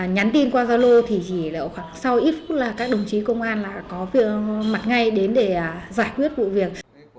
nhắn tin qua giao lô thì chỉ là khoảng sau ít phút là các đồng chí công an là có việc mặt ngay đến để giải quyết vụ việc